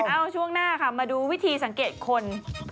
ช่วงหน้าค่ะมาดูวิธีสังเกตคน